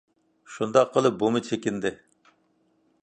شۇنداق قىلىپ بۇمۇ چېكىندى.